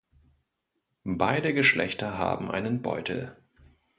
Beide Geschlechter haben einen Beutel.